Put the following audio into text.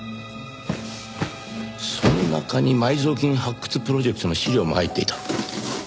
その中に埋蔵金発掘プロジェクトの資料も入っていた。